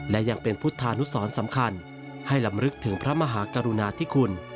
และยังเป็นพุทธานุสรสำคัญให้ลำลึกถึงพระมหากรุณาธิคุณ